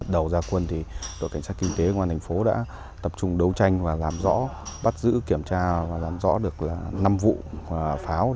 đầu gia quân đội cảnh sát kinh tế công an thành phố đã tập trung đấu tranh và làm rõ bắt giữ kiểm tra và làm rõ được năm vụ pháo